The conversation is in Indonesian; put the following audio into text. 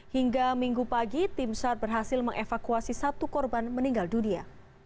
hingga minggu pagi tim sar berhasil mengevakuasi satu korban meninggal dunia